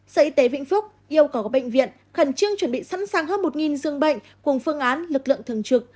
sở y tế vĩnh phúc yêu cầu các bệnh viện khẩn trương chuẩn bị sẵn sàng hơn một dương bệnh cùng phương án lực lượng thường trực